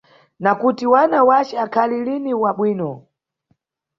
Nakuti wana wace akhali lini wa bwino.